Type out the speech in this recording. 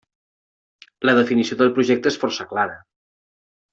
La definició del projecte és força clara.